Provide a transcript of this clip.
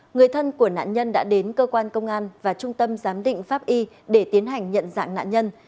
người thân của nạn nhân đã đến cơ quan công an và trung tâm giám định pháp y để tiến hành nhận dạng nạn nhân